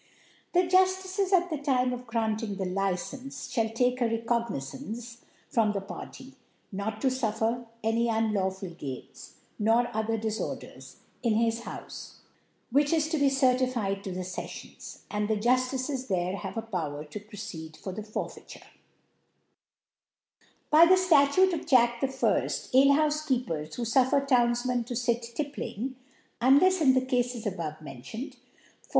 The Juftices, at jhe Time of granting the Licence, fhall take a Recognizance from the Party, not to fufFer any unlawful Games, nor. other Diforders, in his Houfe; which is to be ceitified to the ScITions, and C the ^ i (26) the Jufticcs there have aPbwtr to proceed for the Forfeiture *. By the Sutute oi Jac. I. f Alchoufc keepers, who fufFer Townfineri to fittipling (linlefa in the C^fes abavementioned I j for.